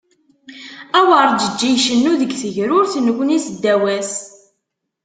Awerǧeǧǧi icennu deg tegrurt, nekni seddaw-as.